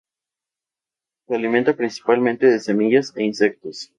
Se alimenta principalmente de semillas e insectos.